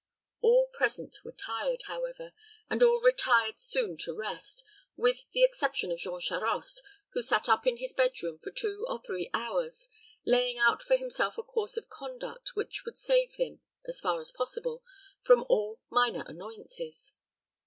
All present were tired, however, and all retired soon to rest, with the exception of Jean Charost, who sat up in his bed room for two or three hours, laying out for himself a course of conduct which would save him, as far as possible, from all minor annoyances.